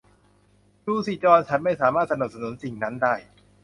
ดูสิจอห์น ฉันไม่สามารถสนับสนุนสิ่งนั้นได้